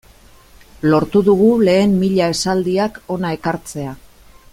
Lortu dugu lehen mila esaldiak hona ekartzea.